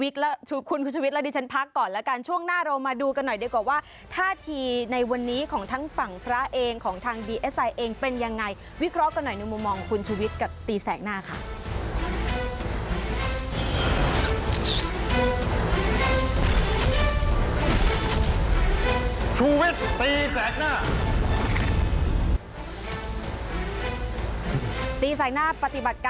ตีสัยหน้าปฏิบัติการคนวัดพระธรรมกายนะครับ